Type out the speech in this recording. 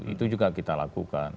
itu juga kita lakukan